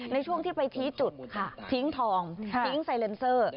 ในช่วงที่ไปชี้จุดค่ะทิ้งทองทิ้งไซเลนเซอร์